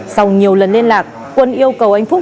sau nhiều lần liên lạc quân yêu cầu anh phúc